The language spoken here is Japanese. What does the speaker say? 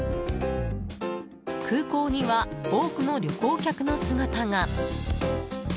空港には、多くの旅行客の姿が。